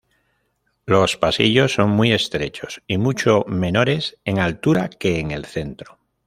Los pasillos son muy estrechos y mucho menores en altura que en el centro.